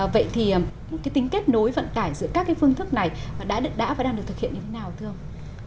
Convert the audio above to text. vậy thì cái tính kết nối vận tải giữa các cái phương thức này đã và đang được thực hiện như thế nào thưa ông